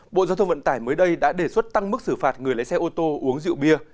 bộ giao thông vận tải mới đây đã đề xuất tăng mức xử phạt người lấy xe ô tô uống rượu bia